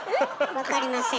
分かりません？